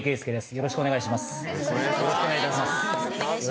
よろしくお願いします。